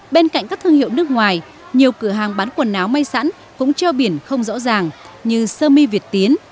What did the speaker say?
bên cạnh các thương hiệu nước ngoài nhiều cửa hàng bán quần áo may sẵn cũng treo biển không rõ ràng như sơ mi việt tiến